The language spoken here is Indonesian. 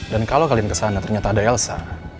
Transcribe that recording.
dan kalo kalian kesana ternyata ada elsa